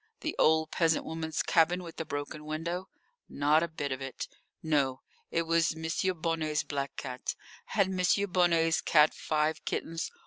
The old peasant woman's cabin with the broken window? Not a bit of it. No, it was M. Bonnet's black cat. Had M. Bonnet's cat five kittens?